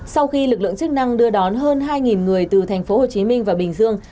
sau khi lực lượng chức năng đưa đón hơn hai người từ thành phố hồ chí minh và bình dương